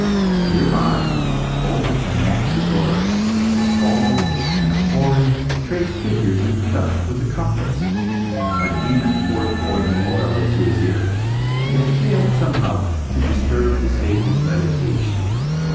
Near by, old Anaxagoras, bald and hoary, traced figures in the dust with a compass. A demon poured boiling oil into his ear, yet failed, however, to disturb the sage's meditations.